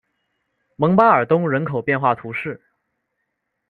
蒙巴尔东人口变化图示